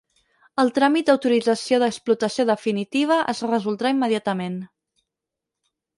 El tràmit d'autorització d'explotació definitiva es resoldrà immediatament.